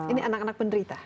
ini anak anak penderita